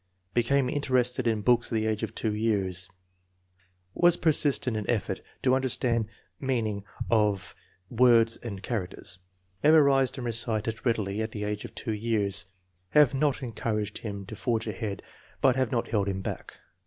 Became interested in books at the age of 2 years. Was persistent in effort to understand meaning of 382 INTELLIGENCE OF SCHOOL CHILDREN words and characters. Memorized and recited readily at the age of 2 years. "Have not encouraged him to forge ahead, but have not held him back.